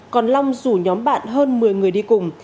còn long rủ nhóm bạn hơn một mươi người đi cùng